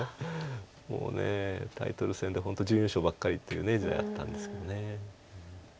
もうタイトル戦で本当準優勝ばっかりっていう時代あったんですけど。